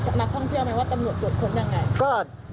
นักท่องเที่ยวไหมว่าตำรวจตรวจค้นยังไง